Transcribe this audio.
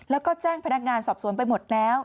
แล้วก็แจ้งพนักงานสอบสวนไปหมดแล้ว